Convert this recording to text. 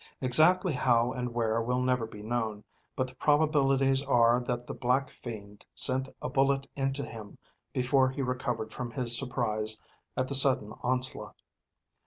Exactly how and where will never be known, but the probabilities are that the black fiend sent a bullet into him before he recovered from his surprise at the sudden onslaught.